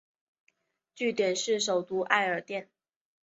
据点是首都艾尔甸。